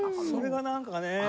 それがなんかね。